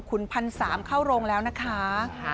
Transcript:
ขุนพันธ์๓เข้าโรงแล้วนะคะค่ะค่ะ